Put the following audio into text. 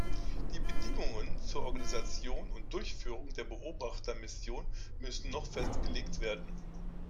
Die Bedingungen zur Organisation und Durchführung der Beobachtermission müssen noch festgelegt werden.